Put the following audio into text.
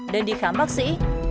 đến đi khám bác sĩ